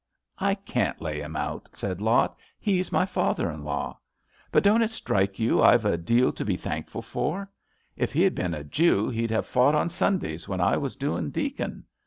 * I can't lay him out,' said Lot. * He's my father in law. But don't it strike you I've a deal to be thankful for! If he had been a Jew he'd have fought on Sundays when I was doing Deacon.